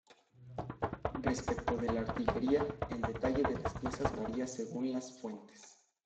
Respecto de la artillería, el detalle de las piezas varía según las fuentes.